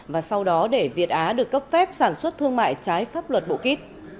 và sau đó để việt á được cấp phép sản xuất thương mại trái pháp luật bộ kít